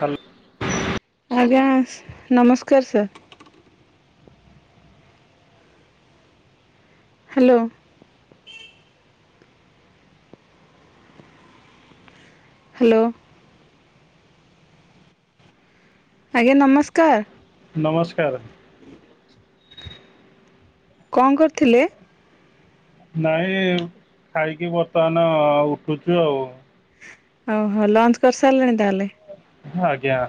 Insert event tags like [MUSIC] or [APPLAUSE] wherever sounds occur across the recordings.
ହାଲ ଆଜ୍ଞା ନମସ୍କାର ସାର। ହ୍ୟାଲୋ ହ୍ୟାଲୋ ଆଜ୍ଞା ନମସ୍କାର। ନମସ୍କାର। କଣ କରିଥିଲେ? ନାଇଁ ଖାଇକି ବର୍ତ୍ତମାନ ଉଠୁଛୁ ଆଉ। ଓ ହୋ ଲଞ୍ଚ୍ କରିସାରିଲାଣି ତାହେଲେ। ଆଜ୍ଞା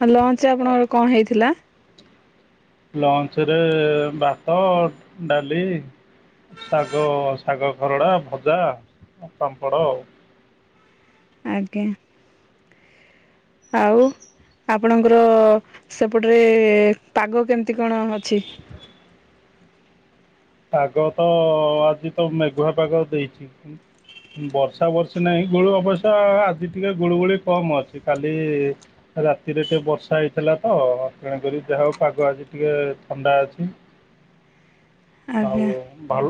ଆ ଲଞ୍ଚ ଆପଣଙ୍କର କଣ ହେଇଥିଲା? ଲଞ୍ଚ ରେ ଭାତ, ଡାଲି ଶାଗ, ଶାଗ ଖରଡା, ଭଜା, ପାମ୍ପଡ ଆଉ। ଆଜ୍ଞା ଆଉ ଆପଣଙ୍କର ସେପଟରେ ପାଗ କେମିତି କଣ ଅଛି? ପାଗ ତ ଆଜି ତ ମେଘୁଆ ପାଗ ଦେଇଛି। [UNINTELLIGIBLE] ବର୍ଷା ବର୍ଷି ନାହିଁ ଗୁଳୁ ଅବସ୍ୟ ଆଜି ଟିକେ ଗୁଳୁ ଗୁଳି କମ୍ ଅଛି କାଲି ରାତିରେ ଟିକେ ବର୍ଷା ହେଇଥିଲା ତ ତେଣୁକରି ଦେହ ପାଗ ଆଜି ଟିକେ ଥଣ୍ଡା ଅଛି। ଆଜ୍ଞା ଆଉ ଭାଉ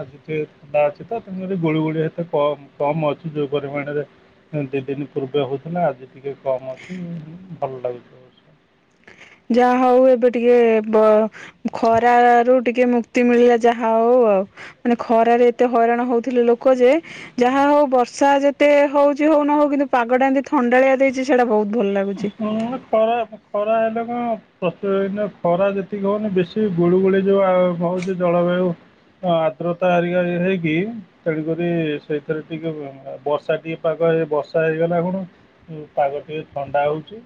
ଆଜି ଟିକେ ଥଣ୍ଡା ଅଛି ତ ତେଣୁକରି ଗୁଳି ଗୋଳି ଏତେ କମ କମ ଅଛି ଯୋଉ ପରିମାଣରେ ଦି ଦିନ ପୂର୍ବେ ହଉଥିଲା ଆଜି ଟିକେ କମ ଅଛି ଭଲ ଲାଗୁଛି। ଅବଶ୍ୟ ଯାହା ହଉ ଏବେ ଟିକେ ବ ଖରା ରୁ ଟିକେ ମୁକ୍ତି ମିଳିଲା ଯାହା ହଉ ଆଉ। ମାନେ ଖରାରେ ଏତେ ହଇରାଣ ହଉଥିଲେ ଲୋକ ଯେ ଯାହା ହଉ ବର୍ଷା ଯେତେ ହଉଛି ହଉ ନ ହଉ କିନ୍ତୁ ପାଗଟା ଏମିତି ଥଣ୍ଡାଳିଆ ଦେଇଛି ସେଇଟା ବହୁତ ଭଲ ଲାଗୁଛି। ହଁ ଖରା, ଖରା ହେଲେ କଣ ବର୍ଷା ଦିନେ ଖରା ଯେତିକି ହଉନି ବେଶୀ ଗୁଳିୁଗୁଳି ଯୋଉ ଆ ହଉଛି ଜଳବାୟୁ ହଁ ଆଦ୍ରତା ହେରିକା ୟେ ହେଇକି ତେଣୁ କରି ସେଇଥିରେ ଟିକେ ବର୍ଷା ଟିକେ ପାଗ ହେଇ ବର୍ଷା ହେଇଗଲା ଖୁଣୁ ପାଗ ଟିକେ ଥଣ୍ଡା ହଉଛି,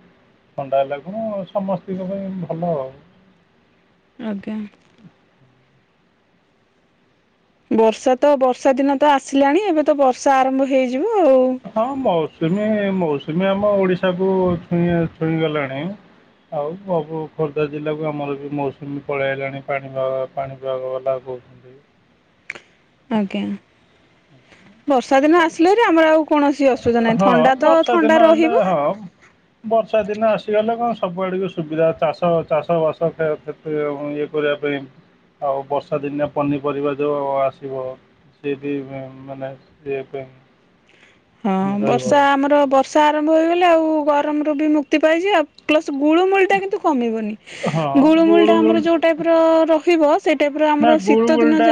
ଥଣ୍ଡା ହେଲା ଖୁଣୁ ସମସ୍ତଙ୍କ ପାଇଁ ଭଲ ଆଉ। ଆଜ୍ଞା ବର୍ଷା ତ ବର୍ଷା ଦିନ ତ ଆସିଲାଣି ଏବେ ତ ବର୍ଷା ଆରମ୍ଭ ହେଇଯିବ ଆଉ। ହଁ ମୌସୁମୀ, ମୌସୁମୀ ଆମ ଓଡିଶାକୁୁ ଛୁଇଁ ଛୁଇଁ ଗଲାଣି। ଆଉ ସବୁ ଖୋର୍ଦ୍ଧା ଜିଲ୍ଲାକୁ ଆମର ବି ମୌସୁମୀ ପଳେଇ ଆଇଲାଣି ପାଣିାଗ ପାଣି ବାଲା ବାହୁ ଆଜ୍ଞା ବର୍ଷା ଦିନ ଆସିଲେ ଯେ ଆମର ଆଉ କୌଣସି ଅସୁ ସୁଧା ନାଇଁ ଥଣ୍ଡା ତ ଥଣ୍ଡା ରହିବ। ହଉ ବର୍ଷା ଦିନ ଆସିଗଲେ କଣ ସବୁଆଡକୁ ସୁବିଧା ଚାଷ ଚାଷ ବାସ୍ ଇଏ କରିବା ପାଇଁ ଆଉ ବର୍ଷା ଦିନିଆ ପନିପରିବା ଯଉ ଆସିବ। ସେଏ ବି ମାନେ ଯେବେ ହଁ ବର୍ଷା ଆମର ବର୍ଷା ଆରମ୍ଭ ହୋଇଗଲେ ଆଉ ଗରମରୁ ବି ମୁକ୍ତି ପାଇଯିବା। ପ୍ଲସ ଗୁଳମୂଳ ଟା କିନ୍ତୁ କମିବନି ହଁ ଗୁଳମୂଳ ଗୁଳୁ ଟା ଆମର ଗୁଳି ଯୋଉ ଟାଇପ ରହିବ ସେ ନା ଗୁଳୁ ଗୁଳଟା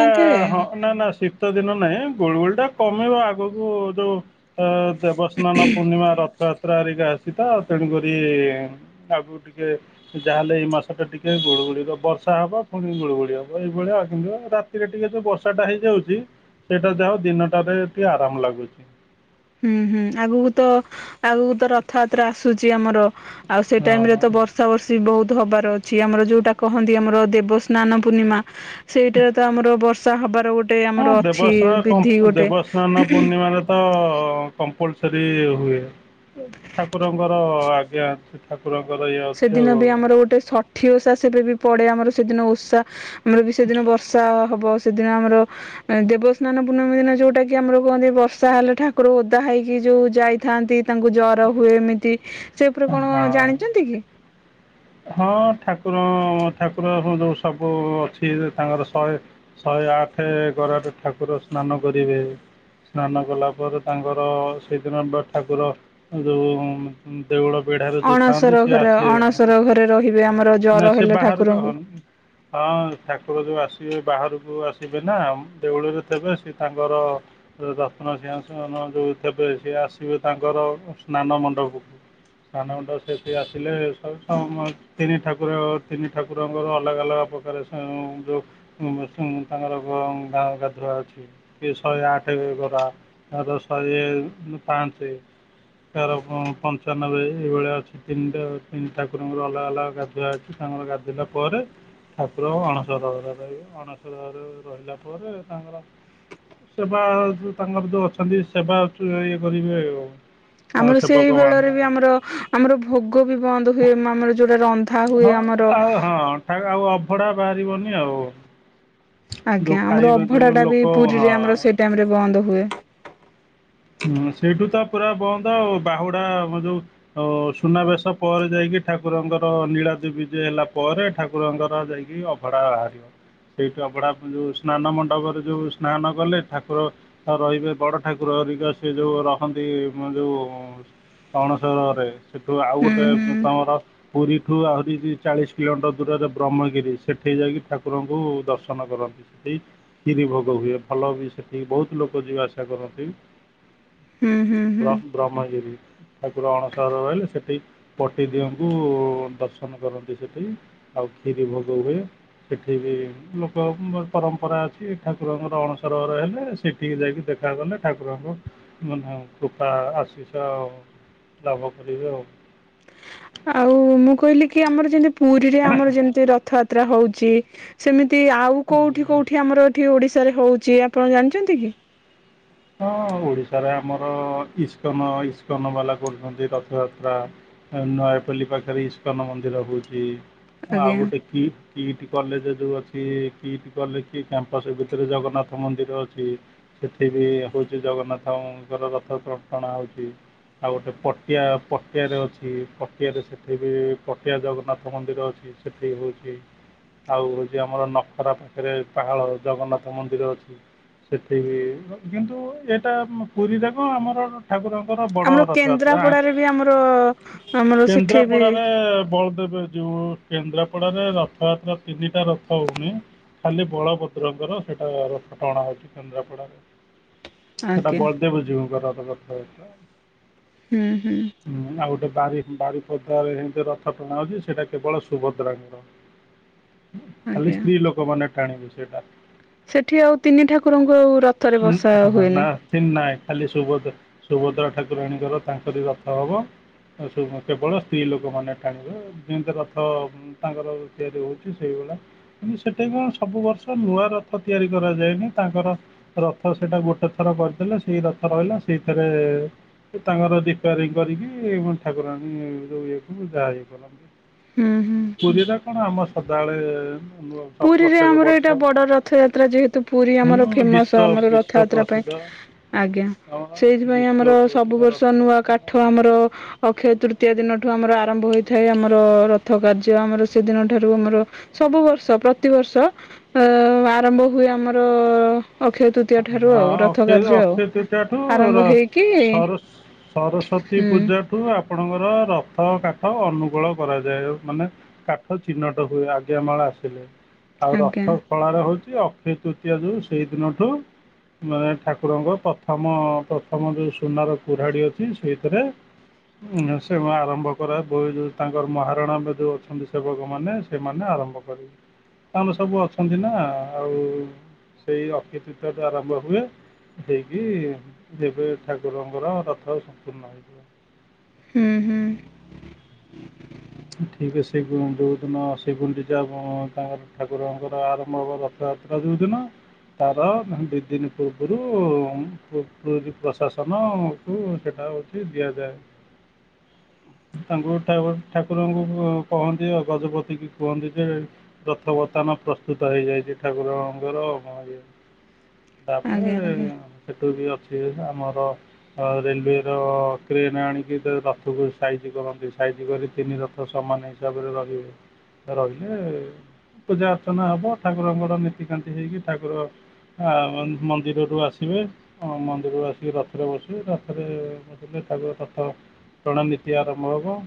ହଁ ନା ନା ଶୀତ୍ ଶୀତ ଦିନ ନାହିଁ ଗୋଳ ଗୋଳି ଟା କମିବ ଆଗକୁ ଯୋଉ ଅ ଦେବସ୍ନାନ ପୂର୍ଣ୍ଣିମା ରଥଯାତ୍ରା ହେରିକା ଅଛିତ ତେଣୁକରି ଆଗକୁ ଟିକେ ଯାହାହେଲେ ଏଇ ମାସ ଟା ଟିକେ ଗୁଳୁଗୁଳିବ ବର୍ଷା ହବ ପୁଣି ଗୁଳୁଗୁଳି ହବ। ଏଇଭଳିଆଉ କିନ୍ତୁ ରାତିରେ ଟିକେ ଯୋଉ ବର୍ଷା ଟା ହେଇଯାଉଛି ସେଇଟା ଯାହା ହର ଦିନଟାରେ ଟିକେ ଆରାମ ଲାଗୁଛି। ହୁଁ ହୁଁ ଆଗକୁ ତ ଆଗକୁ ତ ରଥଯାତ୍ରା ଆସୁଛି ଆମର ଆଉ ସେ ହଁ ଟାଇମ ରେ ତ ବର୍ଷ ବର୍ଷା ବର୍ଷି ବହୁତ ହବାର ଅଛି ଆମର ଯୋଉଟା କହନ୍ତି ଆମର ଦେବସ୍ନାନ ପୂର୍ଣ୍ଣିମା। ସେଇଟାରେ ତ ଆମର ବର୍ଷା ହବାର ଗୋଟେ ହଁ ଆମର ଅଛି ଦେବସ୍ନାନ ବିଧି କମ୍ପ ଗୋଟେ ଦେବସ୍ନାନ ପୂର୍ଣ୍ଣିମାରେ ତ କମ୍ପଲସ୍ୱରିହୁଏ ଠାକୁରଙ୍କର ଆଜ୍ଞା ଅନ [UNINTELLIGIBLE] ଠାକୁରଙ୍କର ଇଏ ଅଛି ସେଦିନ ଆଉ। ବି ଆମର ଗୋଟେ ସ ଠି ଓସା ସେବେ ବି ପଡେ ଆମର ସେଦିନ ଓଷା ଆମର ବି ସେଦିନ ବର୍ଷା ହବ ସେଦିନ ଆମର ଦେବସ୍ନାନ ପୂର୍ଣ୍ମୀ ଦିନ ଯୋଉଟା କି ଆମର କୁହନ୍ତି ବର୍ଷା ହେଲେ ଠାକୁର ଓଦା ହେଇକି ଯୋଉ ଯାଇଥାନ୍ତି ତାଙ୍କୁ ଜର ହୁଏ ଏମିତି ସେ ଉପରେ ହଁ କଣ ଜାଣିଛନ୍ତି କି? ହଁ ଠାକୁର ଠାକୁର ଯୋଉ ସବୁ ଅଛି ତାଙ୍କର ଶହେ ଶହେ ଆଠ କରାରେ ଠାକୁର ସ୍ନାନ କରିବେ ସ୍ନାନ କଲା ପରେ ତାଙ୍କର ସେଇଦିନ ବା ଠାକୁର ଯୋଉ ଦେଉଳ ବେଢାରେ ଯୋଉ ଥାଆନ୍ତି ସିଏ ଆସିବ ତାଙ୍କ ଘରେ ରହିବେ ଆମର ହ ଜର ନା ସେ ହେଲେ ବାହାରକୁ ଠାକୁରଙ୍କୁ ହହନି। ହଁ ଠାକୁର ଯୋଉ ଆସିବେ ବାହାରକୁ ଆସିବେ ନା ଦେଉଳରେ ଥିବ ସେ ତାଙ୍କର ଯତ୍ନ ସିଂ ଯୋଉତେବେ ସିଏ ଆସିବେ ତାଙ୍କର ସ୍ନାନ ମଣ୍ଡପକୁ। ଥାନେ ମୁଣ୍ଡ ପକୁସେଟି ଆସିଲେ ସବୁ ଆଉ ତିନି ଠାକୁର ତିନି ଠାକୁରଙ୍କର ଅଲଗା ଅଲଗା ପ୍ରକାର ଯୋଉ ତାଙ୍କର ଗାଁ ଗାଧୁଆ ଅଛି। କିଏ ଶହେ ଆଠ ଗରା ନ ହେଲେ ଶହେ ପାଞ୍ଚ ଗରା ତାର ପଞ୍ଚାନବେ ଏଇଭଳିଆ ଅଛି ତିନିଟା ଆ ତିନି ଠାକୁରଙ୍କର ଅଲଗା ଅଲଗା ଗାଧୁଆ ଅଛି ତାଙ୍କର ଗାଧୋଇଲା ପରେ ଠାକୁର ଅଣସର ଘରେ ରହିବେ। ମାସ ରହିଲା ପରେ ତାଙ୍କର ସେବା ଯୋଉ ତାଙ୍କର ଯେଉଁ ଅଛନ୍ତି ସେବା ଇଏ କରିବେ ଆଉ ତାଙ୍କ ଆମର ସେଇ ସେବକମାନେ ବେଳରେ ବି ଆଉ ଆମର ଆମର ଭୋଗ ବି ବନ୍ଦ ହୁଏ ଆମର ଯୋଉଟା ରନ୍ଧା ଆଉ ହୁଏ ହଁ ଆମର ଆଉ ଦ୍ଭା ହଁ ଆଉ ଅଭଢଡ଼ା ବାହାରିବନି ଆଉ। ଯେଉଁ ଆଜ୍ଞା ଆମର ଖାଇବା ଯେଉଁ ଅଭଢା ଟା ବି ଲୋକ ପୁରୀରେ ଆମର ହଁ ସେ ଟାଇମରେ ବନ୍ଦ ହୁଏ। ହୁଁ ସେଇଠୁ ତ ପୁରା ବନ୍ଦ ଆଉ ବାହୁଡା ଆମ ଯୋଉ ଆ ସୁନାବେଶ ପରେ ଯାଇକି ଠାକୁରଙ୍କର ନୀଳା ଦପିଜ ହେଲା ପରେ ଠାକୁରଙ୍କର ଯାଇକି ଅ ଅଭଡା ବାହାରିବ ସେଇଠୁ ଅଭଡା ଫୁଣି ଯୋଉ ସ୍ନାନ ମଣ୍ଡପରେ ଯୋଉ ସ୍ନାନ କଲେ ଠାକୁର ତ ରହିବେ ବଡ ଠାକୁର ହରିକା ସେ ଯୋଉ ରହନ୍ତି ମ ଯୋଉ କଣ ଶେଉଳ ଘରେ ସେଠୁ ଆଉ ହୁଁ ଗୋଟେ ହୁଁ ତମର ପୁରୀଠୁ ଆହୁରି ଚାଳିଶ୍ ବି କିଲୋମିଟର୍ ଦୂରରେ ବ୍ରହ୍ମଗିରି ସେଠି ଯାଇକି ଠାକୁରଙ୍କୁ ଦର୍ଶନ କରନ୍ତି। ସେଇ କ୍ଷୀରି ଭୋଗ ହୁଏ ଭଲ ବି ସେଠି ବହୁତ୍ ଲୋକ ଯିବା ଆସା କରନ୍ତି। ହୁଁ ହୁଁ। ହୁଁ ବ୍ରମ୍ ବ୍ରହ୍ମଗିରି। ଠାକୁର ଅଣସର ରହିଲେ ସେଠି ପଟିଦିଅଙ୍କୁ ଦର୍ଶନ କରନ୍ତି ସେଠି। ଆଉ କ୍ଷୀରି ଭୋଗ ହୁଏ। ସେଠି ବିି ଲୋକଙ୍କ ପରମ୍ପରା ଅଛି ଠାକୁରଙ୍କର ଅଣସରହର ହେଲେ ସେ ସେଠିକି ଯାଇକି ଦେଖା କଲେ ଠାକୁରଙ୍କୁ ମାନେ ସୁଫା ଆସିସ ଲାଭ କରିବେ ଆଉ। ଆଉ ମୁଁ କହିଲି କି ଆମର ଯେନ୍ତି ପୁରୀରେ ଆମର ଯେମିତି ରଥଯାତ୍ରା ହଉଚି ସେମିତି ଆଉ କୋଉଠି କୋଉଠି ଆମର ଏଠି ଓଡ଼ିଶାରେ ହଉଚି ଆପଣ ଜାଣିଚନ୍ତି କି? ହଁ ଓଡ଼ିଶାରେ ଆମର ଇସ୍କନ ଇସ୍କନ ବାଲା କରୁଛନ୍ତି ରଥଯାତ୍ରା ହେ ନୟାପଲୀ ପାଖରେ ଇସ୍କନ ମନ୍ଦିର ହଉଛି ଆଉ ଆଜ୍ଞା ଗୋଟେ କି କିଟି କଲେଜେ ଯଉ ଅଛି କିଟି କଲେକି କ୍ୟାମ୍ପସ ଭିତରେ ଜଗନ୍ନାଥ ମନ୍ଦିର ଅଛି। ସେଠି ବି ହଉଛି ଜଗନ୍ନାଥଙ୍କର ରଥ ଟ ଟଣା ହଉଚି। ଆଉ ଗୋଟେ ପଟିଆ ପଟିଆରେ ଅଛି ପଟିଆରେ ସେଠି ବି ପଟିଆ ଜଗନ୍ନାଥ ମନ୍ଦିର ଅଛି। ସେଠି ବି ହଉଚି। ଆଉ ହଉଛି ଆମର ନଖରା ପାଖେରେ ପାହାଳ ଜଗନ୍ନାଥ ମନ୍ଦିର ଅଛି। ସେଠିକି ଅ କିନ୍ତୁ ଏଇଟା ପୁରୀ କଣ ଆମର ଠାକୁରଙ୍କର ବଡ ଆମର ରଥଯାତ୍ରା କେନ୍ଦ୍ରାପଡାରେ ବି ଆମର ଆମର ସେଠି ବି କେନ୍ଦ୍ରାପଡାରେ ବଳ ବେବେଜଉ କେନ୍ଦ୍ରାପଡାରେ ରଥଯାତ୍ରା ତିନିଟା ରଥ ହଉନି ଖାଲି ବଳଭଦ୍ରଙ୍କର ସେଇଟା ରଥ ଟଣା ହଉଚି କେନ୍ଦ୍ରାପଡ଼ାରେ। ସେଟା ଆଜ୍ଞା ବଳ୍ ଦେବଜୀବଙ୍କର ରଥ ଯାତ୍ରା। ହୁଁ ହୁଁ। ହୁଁ ଆଉ ଗୋଟେ ବାରି ବାରିପଦାରେ ହେନ୍ତି ରଥ ଟଣା ହେଉଛି ସେଇଟା କେବଳ ସୁଭଦ୍ରାଙ୍କର। [UNINTELLIGIBLE] ଖାଲି ଆଜ୍ଞା ସ୍ତ୍ରୀ ଲୋକ ମାନେ ଟାଣିବେ ସେଇଟା। ସେଠି ଆଉ ତିନି ଠାକୁରଙ୍କୁ ଆଉ ରଥରେ ବସା ହୁଏନି। ତିନ୍ ନାଇ ଖାଲି ସୁଭଦ୍ରା ସୁଭଦ୍ରା ଠାକୁରାଣୀଙ୍କର ତାଙ୍କରି ରଥ ହବ। ଆଉ ସୁମି କେବଳ ସ୍ତ୍ରୀ ଲୋକମାନେ ଟାଣିବେ ଯେମ୍ତି ରଥ ହୁଁ ତାଙ୍କର ତିଆରି ହଉଚି ସେଇଭଲା। କିନ୍ତୁ ସେଠି କଣ ସବୁ ବର୍ଷ ନୂଆ ରଥ ତିଆରି କରାଯାଏନି ତାଙ୍କର ର ତାଙ୍କର ସେଟା ଗୋଟେ ଥର କର୍ଦେଲେ ସେଇ ରଥ ରହିଲା ସେଇଥିରେ ତାଙ୍କର ରାପାରିଙ୍ଗ୍ କରିକି ମ ଠାକୁରାଣୀ ଯୋଉ ଇଏକୁ ଯାହା ଇଏ କରନ୍ତି। ହୁଁ ହୁଁ। ପୁରୀରେ କଣ ଆମ ସଦାବେଳେ ନୂଅ ପୁରୀରେ ଆମର ଏଇଟା ବଡ ରଥଯାତ୍ରା ଯେହେତୁ ପୁରୀ ଆମର ହୁଁ ଫେମସ ବିଶ୍ୱ ଆମର ର ବିଶ୍ୱ ଥଯାତ୍ରା ପାଇଁ ପ୍ରସିଦ୍ଧ ଆଜ୍ଞା ଆମର ସେଇଥିପାଇଁ ବିଶ୍ୱ ଆମର ସବୁ ପ୍ରସିଦ୍ଧ ବର୍ଷ ନୂଆ ରଥଯାତ୍ରା କାଠ ଆମ ର ଅକ୍ଷ ତୃତୀୟା ଦିନଠୁ ଆମର ଆରମ୍ଭ ହୋଇଥାଏ ଆମର ରଥ କାର୍ଯ୍ୟ ଆମର ସେଇ ଦିନଠାରୁ ଆମର ସବୁ ବର୍ଷ ପ୍ରତିବର୍ଷ ଏ ଆରମ୍ଭ ହୁଏ ଆମର ଅକ୍ଷ ତୃତୀୟା ଠାରୁ ହଁ ଆଉ ରଥ ଅକ୍ଷୟ କାର୍ଯ୍ୟ ଆଉ ଅକ୍ଷୟ ତୃତୀୟାଠୁ ଆରମ୍ଭ ହେଇକି ସରସ୍ଵତୀ ହୁଁ ପୂଜା ଆପଣଙ୍କର ରଥ କାଠ ଅନୁକୂଳ କରାଯାଏ। ମାନେ କାଠ ଚିହ୍ନଟ ହୁଏ ଆଜ୍ଞାମାଳ ଆସିଲେ। ଆଉ ଆଜ୍ଞା ରଥ ଖଳାରେ ହେଉଛି ଅକ୍ଷୟ ତୃତୀୟା ଯେଉଁ ସେଇଦିନଠୁ ମାନେ ଠାକୁରଙ୍କ ପ୍ରଥମ ପ୍ରଥମ ଯେଉ ସୁନାର କୁରାଡ଼ି ଅଛି ସେଇଥିରେ ସେ ଆରମ୍ଭ କରା ଯେଉଁ ତାଙ୍କର ମହାରଣା ଯେଉଁ ଅଛନ୍ତି ସେବକମାନେ ସେମାନେ ଆରମ୍ଭ ତାଙ୍କର ସବୁ ଅଛନ୍ତି ନା ଆଉ ସେଇ ଅକ୍ଷିୟ ତୃତୀୟାଠୁ ଆରମ୍ଭ ହୁଏ। ହେଇକି ଯେବେ ଠାକୁରଙ୍କର ରଥ ସମ୍ପୂର୍ଣ୍ଣ ହେଇଯିବ। ହୁଁ ହୁଁ ଠିକ ସେ ଯଉ ଯୋଉ ଦିନ ଶ୍ରୀ ଗୁଣ୍ଡିଚା ତାଙ୍କର ଠାକୁରଙ୍କର ଆରମ୍ଭ ହେବ, ର ଥଯାତ୍ରା ଯଉଦିନ ତାର ଦୁଇ ଦିନ ପୂର୍ବରୁ ପୁ ପୁରୀ ପ୍ରଶାସନ ଠୁ ସେଟା ଅଛି ଦିଆଯାଏ। ହୁଁ [INAUDIBLE] ତାଙ୍କୁ ଠାକୁର ଠାକୁରଙ୍କୁ କହନ୍ତି ଗଜପତି କି କୁହନ୍ତି। ଯେ ରଥ ବର୍ତ୍ତମାନ ପ୍ରସ୍ତୁତ ହେଇଯାଇଛି ଠାକୁରଙ୍କର। [INAUDIBLE] ତାପରେ ଆଜ୍ଞା। ସେଠୁ ବି ଅଛି ଆମର। ରେଲୱେର କ୍ରେନ ଆଣିକି ରଥକୁ ସାଇଜି କରନ୍ତି। ସାଇଜି କରି ତିନି ରଥ ସମାନ ହିସାବରେ ରହିବେ। ରହିଲେ ପୂଜା ଅର୍ଚ୍ଚନା ହବ ଠାକୁରଙ୍କର ନୀତିକାନ୍ତି ହେଇକି ଠାକୁର ଆ ମ ମନ୍ଦିରରୁୁ ଆସିବେ ମନ୍ଦିରରୁ ଆସିକି ରଥରେ ବସିବେ। ରଥରେ ତାଙ୍କ ରଥ ଟଣା ନୀତି ଆରମ୍ଭ ହବ।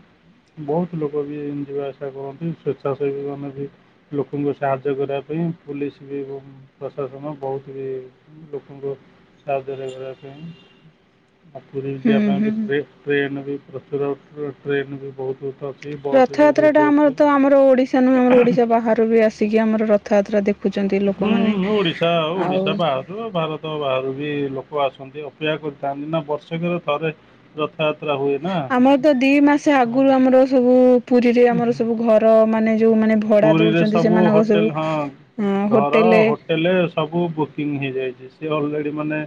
ବହୁତ ଲୋକ ବି ଏମିତି ଯିବା ଆସିବା କରନ୍ତି ସ୍ଵେଚ୍ଛାସେବୀ ମାନେ ବି ଲୋକଙ୍କୁ ସାହାଯ୍ୟ କରିବା ପାଇଁ ପୋଲିସ ବି ଏବଂ ପ୍ରଶାସନ ବହୁତ ବି ଲୋକଙ୍କ ସାହାଯ୍ୟ କରିବା ପାଇଁ। ଆ ପୁରୀ ହୁଁ ଯିବା ପାଇଁ ବି ହୁଁ। ଟ୍ରେ ଟ୍ରେନ ବି ପ୍ରଚୁର ଟ୍ରେନ ବି ବହୁତ ବହୁତ ରଥଯାତ୍ରା ଟା ଆମର ତ ଆମର ଓଡିଶା ନୁହେଁ ଆମର ଓଡିଶା ବାହାରୁ ବି ଆସିକି ଆମର ରଥଯାତ୍ରା ଦେଖୁ ହୁଁ ଓଡିଶା ଆଉ ଓଡିଶା ବା ହାରୁ ଭାରତ ବାହାରୁ ବି ଲୋକ ଆସନ୍ତି ଅପେକ୍ଷା କରିଥାନ୍ତି ନା ବର୍ଷକରେ ଥରେ ରଥଯାତ୍ରା ହୁଏ ନା। ଆମର ତ ଦି ମାସ ଆଗରୁ ଆମର ସବୁ ପୁରୀରେ ଆମର ହଁ। ସବୁ ଘର ମାନେ ଯୋଉ ମାନେ ଭଡା ପୁରୀରେ ଦଉଛନ୍ତି ସବୁ ସେମାନଙ୍କ ସବୁ ହୋଟେଲ ହେଲେ ସବୁ ବୁକିଂ ହେଇଯାଇଛି ସିଏ ଅଲରେଡ଼ି ମାନେ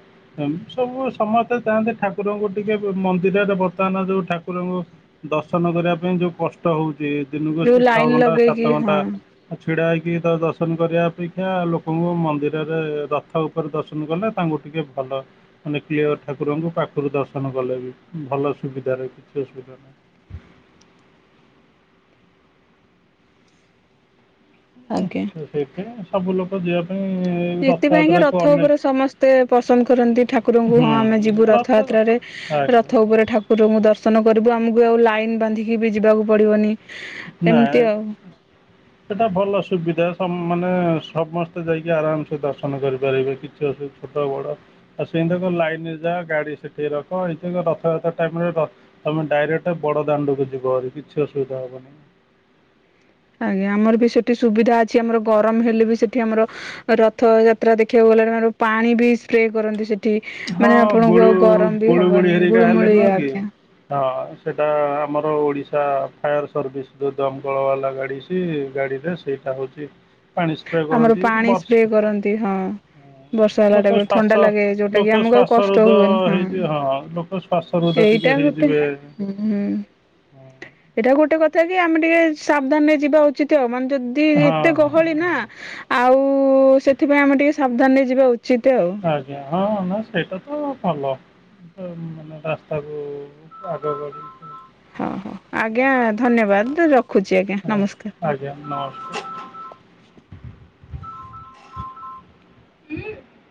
ସବୁ ସମସ୍ତେ ଚାହାଁନ୍ତି ଠାକୁରଙ୍କୁ ଟିକେ ମନ୍ଦିରରେ ବର୍ତ୍ତମାନ ଯୋଉ ଠାକୁରଙ୍କୁ ଦର୍ଶନ କରିବା ପାଇଁ ଯୋଉ କଷ୍ଟ ହଉଛି ଦିନକୁ ଯୋଉ ଛଅ ଲାଇନ ଘଣ୍ଟା ଲଗେଇକି ହଁ ଆଉ ଛିଡା ହେଇକି ତ ଦର୍ଶନ କରିବା ଅପେକ୍ଷା ଲୋକଙ୍କୁ ମନ୍ଦିରରେ ର ଥ ଉପରେ ଦର୍ଶନ କଲେ ତାଙ୍କୁ ଟିକେ ଭଲ। ମାନେ କ୍ଲିୟର ଠାକୁରଙ୍କୁ ପାଖରୁ ଦର୍ଶନ କଲେ ବି ଭଲ ସୁବିଧାରେ କିଛି ଅସୁବିଧା ନାହିଁ। ଆଜ୍ଞା। ସେଇଥିପାଇଁ ସବୁ ଲୋକ ଯିବା ପାଇଁ ଏଥିପାଇଁ କି ରଥଯାତ୍ରାକୁ ରଥ ଅନେକ ଉପରେ ସମସ୍ତେ ପସନ୍ଦ କରନ୍ତି ଠାକୁରଙ୍କୁ। ହଁ ହୁଁ ଆମେ ଯିବୁ ରଥ ରଥଯାତ୍ରାରେ ଆଜ୍ଞା ରଥ ଉପରେ ଠାକୁରଙ୍କୁ ଦର୍ଶନ କରିବୁ ଆମକୁ ଆଉ ଲାଇନ ବାନ୍ଧିକି ବି ଯିବାକୁ ପଡିବନି। ନା ହଁ [INAUDIBLE] ସେଇଟା ଭଲ ସୁବିଧା ସବ ମାନେ ସମସ୍ତେ ଯାଇକି ଆରାମସେ ଦର୍ଶନ କରିପାରିବେ କିଛି ଅସୁ ଛୋଟ ବଡ ଆଉ ସେଇିତି ରେ କଁ ଲାଇନ୍ ଯା ଗାଡି ସେଠିକି ରଖ ଏତେ ରଥଯାତ୍ରା ଟାଇମ୍ ରେ ରଥ ତମେ ଡାଇରେକ୍ଟା ବଡ ଦାଣ୍ଡକୁ ଯିବହାରି କିଛି ଅସୁବିଧା ହବନି। ଆଜ୍ଞା ଆମର ବି ସେଠି ସୁବିଧା ଅଛି ଆମର ଗରମ ହେଲେ ବି ସେଠି ଆମର ରଥ ଯାତ୍ରା ଦେଖିବାକୁ ଗଲେ [UNINTELLIGIBLE] ପାଣି ବି ସ୍ପ୍ରେ କରନ୍ତି ସେଠ ଠି ହଁ ମାନେ ଆପଣଙ୍କୁ ଗୁଳୁ ଆଉ ଗରମ ବି ଗୁଳୁଗୁଳି ହବନି ହେରିକା ହେଲେ ଗୁଳୁମୁଳି ନୁହଁ କି ଆଜ୍ଞା। ହଁ ସେଇଟା ଆମର ଓଡ଼ିଶା ଫାୟାର ସର୍ଭିସ୍ ଯୋଉ ଦମକଳ ବାଲା ଗାଡି ସ ଗାଡିରେ ସେଇଟା ହଉଚି ପାଣି ସ୍ପ୍ରେ ଆମର କରନ୍ତି ପାଣି ସ୍ପ୍ରେ ବର୍ଷ କରନ୍ତି ହଁ ବର୍ଷା ହେଲା ଲୋକ ଟାଇମରେ ଥଣ୍ଡା ଶ୍ୱାସ ଲାଗେ ଯୋଉଟା କି ଲୋକ ଆମକୁ ଆଉ ଶ୍ୱାସ କଷ୍ଟ ରୃଧ ହୁଏନି ହଁ ହେଇଯିବେ ହଁ ଲୋକ ଶ୍ୱାସ ରୃଧ ଏଇଟା ଟିକେ ଗୋଟେ ହେଇଯିବେ। ହୁଁ ହୁଁ ହଁ ଏଇଟା ଗୋଟେ କଥା କି ଆମେ ଟିକେ ସାବଧାନରେ ଯିବା ଉଚିତ୍ ଆ ମାନେ ଯଦି ତି ହଁ ଏତେ ଗହଳି ନା ଆଉ ସେଥିପାଇଁ ଆମେ ଟିକେ ସାବଧାନରେ ଯିବା ଉଚିତ ଆଉ। ଆଜ୍ଞା ହଁ ନା ସେଇଟା ତ ଭଲ। ତ ମାନେ ରାସ୍ତାକୁ ଆଗ କରିକି ହଁ ହଉ ଆଜ୍ଞା ଧନ୍ୟବାଦ ରଖୁଚି ଆଜ୍ଞା ନମସ୍କାର। ଆଜ୍ଞା ନମସ୍କାର [INAUDIBLE]